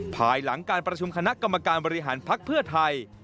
ภายหลังการประชุมคณะกรรมการบริหารภักดิ์เพื่อไทย